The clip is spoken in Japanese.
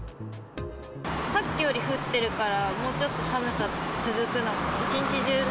さっきより降ってるから、もうちょっと寒さ続くのかな。